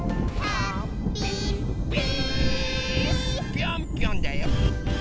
ぴょんぴょんだよ！